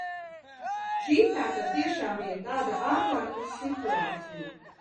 Šī tātad tiešām bija tāda ārkārtas situācija.